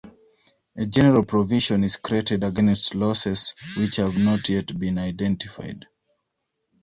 A general provision is created against losses which have not yet been identified.